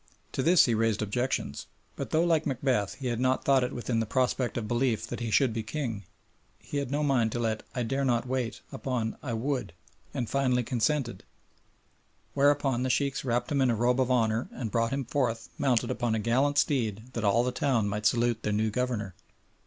To this he raised objections. But though like Macbeth he had not thought it within the prospect of belief that he should be king, he had no mind to let "I dare not" wait upon "I would," and finally consented, whereupon the Sheikhs wrapped him in a robe of honour and brought him forth mounted upon a gallant steed that all the town might salute their new Governor.